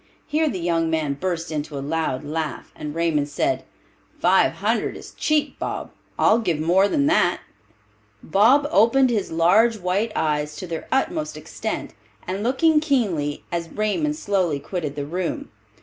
Here the young men burst into a loud laugh, and Raymond said, "Five hundred is cheap, Bob; I'll give more than that." Bob opened his large white eyes to their utmost extent, and looking keenly at Raymond slowly quitted the room.